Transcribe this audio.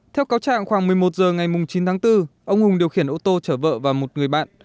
theo cáo trạng khoảng một mươi một h ngày chín tháng bốn ông hùng điều khiển ô tô chở vợ và một người bạn